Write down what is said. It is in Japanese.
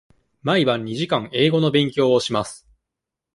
毎晩二時間英語の勉強をします。